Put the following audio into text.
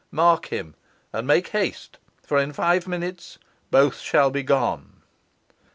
Mark him, and make haste, for in five minutes both shall be gone."